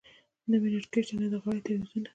نه مې نتکې شته نه د غاړې تعویذونه .